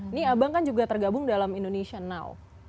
ini abang kan juga tergabung dalam indonesian now